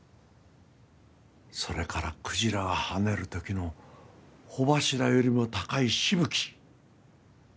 それからクジラが跳ねる時の帆柱よりも高いしぶき。